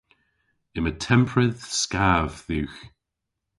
Yma tempredh skav dhywgh.